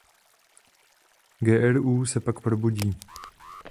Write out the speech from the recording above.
Gru se pak probudí.